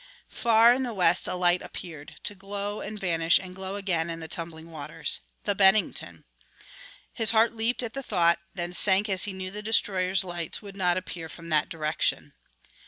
Far in the west a light appeared, to glow and vanish and glow again in the tumbling waters. The Bennington! His heart leaped at the thought, then sank as he knew the destroyer's lights would not appear from that direction.